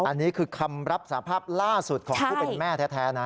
อันนี้คือคำรับสาภาพล่าสุดของผู้เป็นแม่แท้นะ